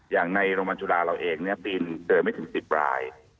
อย่างในโรงยะุขาเราเองเจอไม่ถึง๑๐ราย